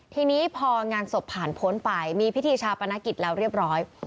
ทีนี้พองานศพผ่านพ้นไปมีพิธีชาปนกิจแล้วเรียบร้อย